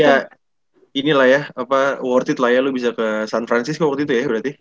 ya inilah ya worth it lah ya lo bisa ke san francisco waktu itu ya berarti